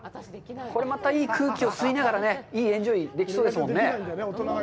これまた、いい空気を吸いながらエンジョイできそうですもんね。